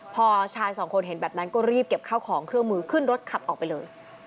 พอชายสองคนเห็นแบบนั้นก็รีบเก็บข้าวของเครื่องมือขึ้นรถขับออกไปเลย